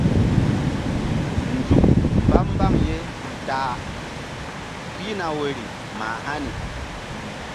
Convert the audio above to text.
Nzuk mba mbaŋ ye ta a pihna woyri mah hani.